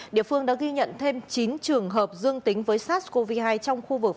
địa phương đã ghi nhận thêm chín trường hợp dương tính với sars cov hai